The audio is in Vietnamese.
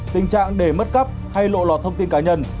tình trạng để mất cắp hay lộ lọt thông tin cá nhân